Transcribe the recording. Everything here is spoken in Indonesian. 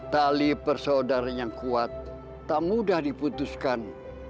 tali persaudaraan yang kuat tak mudah diputuskan